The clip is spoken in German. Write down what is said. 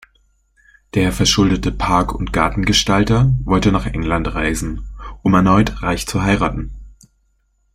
Der verschuldete Park- und Gartengestalter wollte nach England reisen, um erneut reich zu heiraten.